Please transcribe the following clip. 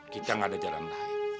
kita gak ada jalan naik